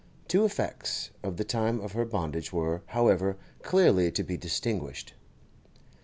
Two effects of the time of her bondage were, however, clearly to be distinguished.